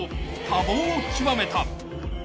［多忙を極めた］